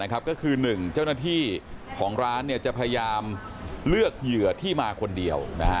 ก็คือ๑เจ้าหน้าที่ของร้านจะพยายามเลือกเหยื่อที่มาคนเดียว